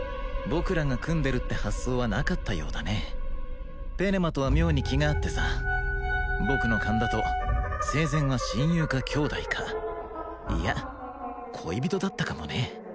僕らが組んでるって発想はなかったようだねペネマとは妙に気が合ってさ僕の勘だと生前は親友か兄弟かいや恋人だったかもね